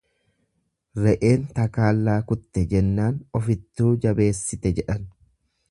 Re'een takaallaa kutte jennaan ofittuu jabeessite jedhan.